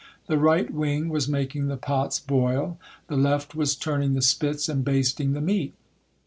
The right wing was making the pots boil, the left was turning the spits and basting the meat.